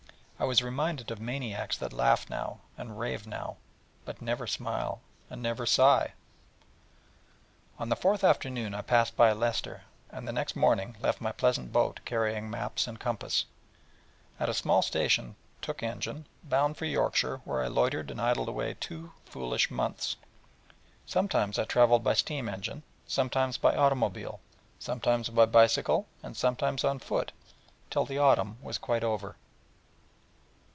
I was reminded of maniacs that laugh now, and rave now but never smile, and never sigh. On the fourth afternoon I passed by Leicester, and the next morning left my pleasant boat, carrying maps and compass, and at a small station took engine, bound for Yorkshire, where I loitered and idled away two foolish months, sometimes travelling by steam engine, sometimes by automobile, sometimes by bicycle, and sometimes on foot, till the autumn was quite over.